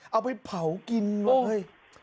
เอาไปเผากินว่ะเฮ้ย